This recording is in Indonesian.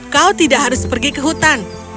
kau tidak harus pergi ke hutan